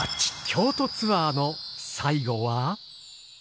京都ツアーの最後は。